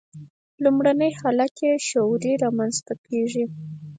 لومړنی حالت یې شعوري رامنځته کېږي.